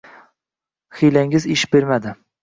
Hiylangiz ish bermadi